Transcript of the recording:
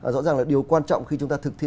rõ ràng là điều quan trọng khi chúng ta thực thi